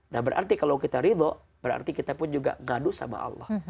nah berarti kalau kita ridho berarti kita pun juga gaduh sama allah